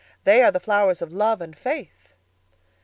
"They are the flowers of love and faith."